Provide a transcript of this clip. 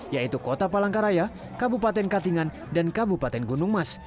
yaitu kota palangkaraya kabupaten katingan dan kabupaten gunung mas